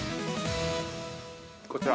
◆こちら。